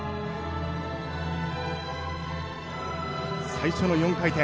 最初の４回転。